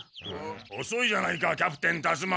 おそいじゃないかキャプテンたつま。